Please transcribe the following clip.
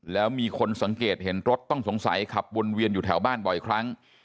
แล้วมีคนสังเกตเห็นรถต้องสงสัยขับวนเวียนอยู่แถวบ้านบ่อยครั้ง